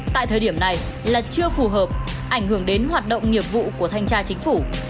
tại thời điểm này là chưa phù hợp ảnh hưởng đến hoạt động nghiệp vụ của thanh tra chính phủ